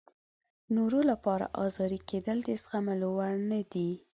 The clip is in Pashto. نورو لپاره ازاري کېدل د زغملو وړ نه وي.